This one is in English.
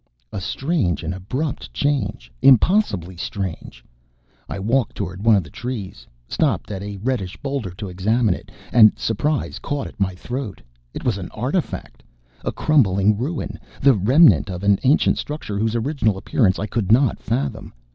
A strange and abrupt change. Impossibly strange! I walked toward one of the trees, stopped at a reddish boulder to examine it. And surprise caught at my throat. It was an artifact a crumbling ruin, the remnant of an ancient structure whose original appearance I could not fathom.